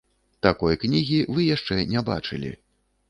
Такой кнігі вы яшчэ не бачылі.